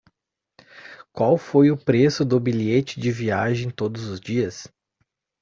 Qual foi o preço do bilhete de viagem todos os dias?